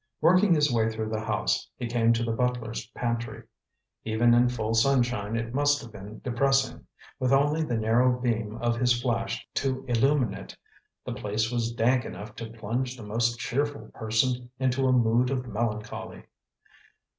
Working his way through the house, he came to the butler's pantry. Even in full sunshine it must have been depressing. With only the narrow beam of his flash to illumine it, the place was dank enough to plunge the most cheerful person into a mood of melancholy.